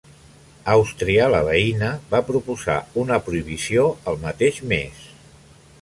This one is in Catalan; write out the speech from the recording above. Àustria, la veïna, va proposar una prohibició el mateix mes.